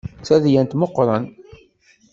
D tadyant meqqren.